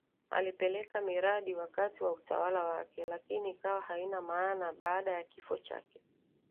alipeleka miradi wakati wa utawala wake lakini ikawa haina maana baada ya kifo chake